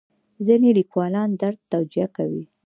ځینې لیکوالان درد توجیه کوي.